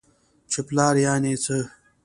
چې پلار يعنې څه؟؟!